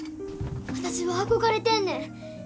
私は憧れてんねん。